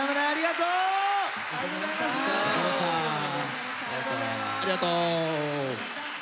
ありがとう！